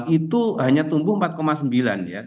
itu hanya tumbuh empat sembilan ya